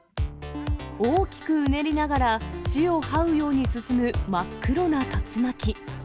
大きくうねりながら、地をはうように進む真っ黒な竜巻。